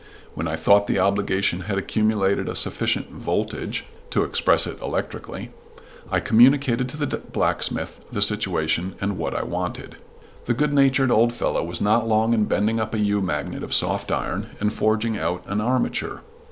When I thought the obligation had accumulated a sufficient "voltage" (to express it electrically) I communicated to the blacksmith the situation and what I wanted. The good natured old fellow was not long in bending up a U magnet of soft iron and forging out an armature.